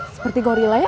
seperti gorilla ya